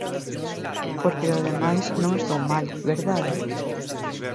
Porque do demais non estou mal, ¿verdade?